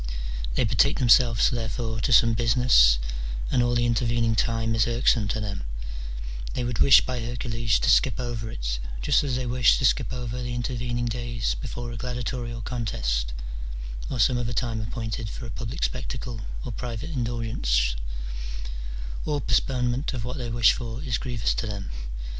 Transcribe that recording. They betake themselves, therefore, to some business, and all the intervening time is irksome to them ; they would wish, by Hercules, to skip over it, just as they wish to skip over the intervening days before a gladiatorial contest or some other time appointed for a public spectacle or private indul gence : all postponement of what they wish for is grievous to them.